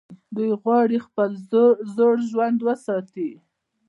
دوی غواړي خپل زوړ ژوند وساتي.